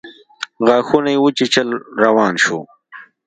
غاښونه يې وچيچل روان شو.